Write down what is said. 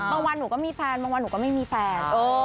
วันหนูก็มีแฟนบางวันหนูก็ไม่มีแฟน